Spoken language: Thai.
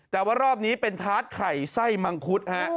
แต่ว่ารอบนี้เป็นทาสไข่ไส้มังคุดฮะ